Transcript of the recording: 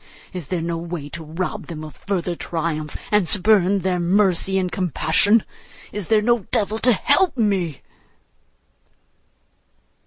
Is there no way to rob them of further triumph, and spurn their mercy and compassion? Is there no devil to help me?